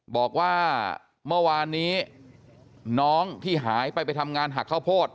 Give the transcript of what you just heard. บอกว่าเมื่อวานนี้น้องที่หายไปไปทำงานหักข้าวโพด